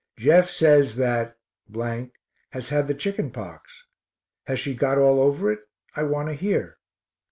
Jeff says that has had the chicken pox. Has she got all over it? I want to hear.